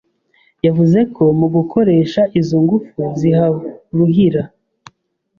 yavuze ko mu gukoresha izo ngufu ziharuhira